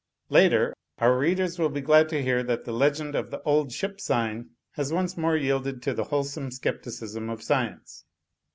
"Later. Our readers will be glad to hear that the legend of 'The Old Ship' sign has once more yielded to the whole some scepticism of science.